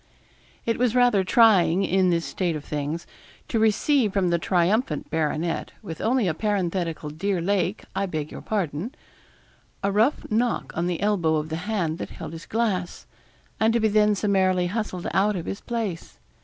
It was rather trying, in this state of things, to receive from the triumphant baronet, with only a parenthetical 'Dear Lake, I beg your pardon,' a rough knock on the elbow of the hand that held his glass, and to be then summarily hustled out of his place.